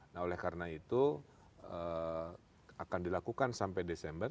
nah oleh karena itu akan dilakukan sampai desember